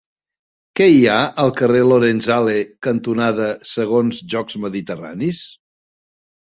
Què hi ha al carrer Lorenzale cantonada Segons Jocs Mediterranis?